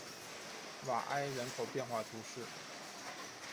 瓦埃人口变化图示